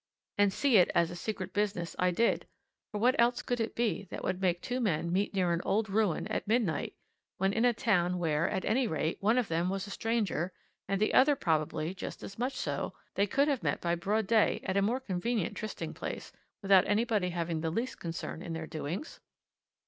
And see it as a secret business I did for what else could it be that would make two men meet near an old ruin at midnight, when in a town where, at any rate, one of them was a stranger, and the other probably just as much so, they could have met by broad day at a more convenient trysting place without anybody having the least concern in their doings?